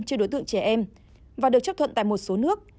cho đối tượng trẻ em và được chấp thuận tại một số nước